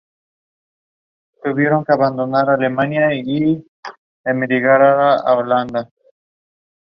Forma parte del Grupo Local y del subgrupo de la Vía Láctea.